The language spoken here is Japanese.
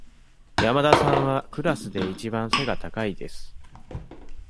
山田さんはクラスでいちばん背が高いです。